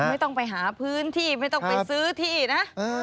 ไม่ต้องไปหาพื้นที่ไม่ต้องไปซื้อที่นะ